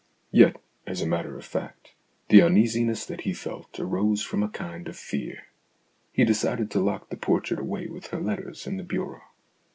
Yet, as a matter of fact, the uneasiness that he felt arose from a kind of fear. He decided to lock the portrait away with her letters in the bureau.